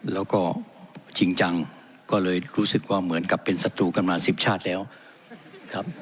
แล้วก็จริงจังก็เลยรู้สึกว่าเหมือนกับเป็นศัตรูกันมาสิบชาติแล้วครับ